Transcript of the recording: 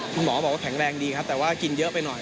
คุณหมอบอกว่าแข็งแรงดีครับแต่ว่ากินเยอะไปหน่อย